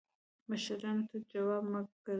مشرانو ته جواب مه ګرځوه